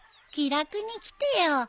気楽に来てよ。